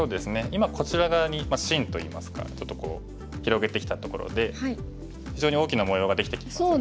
今こちら側に芯といいますかちょっとこう広げてきたところで非常に大きな模様ができてきてますよね。